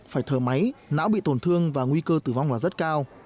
phải thở máy não bị tổn thương và nguy cơ tử vong là rất cao